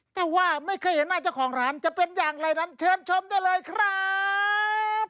แต่ว่าไม่เคยเห็นหน้าเจ้าของร้านจะเป็นอย่างไรนั้นเชิญชมได้เลยครับ